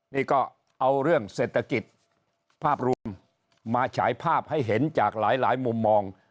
นี่ก็เอาเรื่องเศรษฐกิจภาพรวมมาฉายภาพให้เห็นจากหลายมุมมอง